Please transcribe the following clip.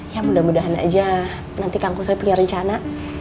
ya mudah mudahan aja nanti kang kusoi punya rencana